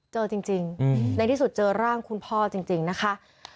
เจอจริงในที่สุดเจอร่างคุณพ่อจริงนะคะ